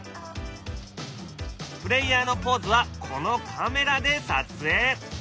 プレーヤーのポーズはこのカメラで撮影。